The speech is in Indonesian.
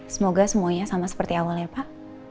semoga semuanya sama seperti awal ya pak